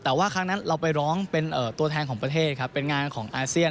แต่ว่าครั้งนั้นเราไปร้องเป็นตัวแทนของประเทศครับเป็นงานของอาเซียน